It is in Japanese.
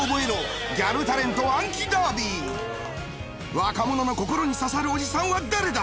若者の心に刺さるおじさんは誰だ？